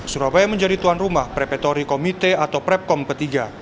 surabaya menjadi tuan rumah prepetori komite atau prepkom pertiga